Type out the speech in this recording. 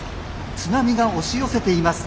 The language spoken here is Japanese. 津波が押し寄せています。